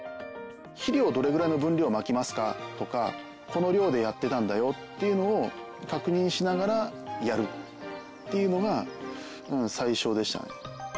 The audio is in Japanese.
肥料をどれぐらいの分量まきますかとかこの量でやってたんだよっていうのを確認しながらやるっていうのが最初でしたね。